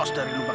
oh tak apalah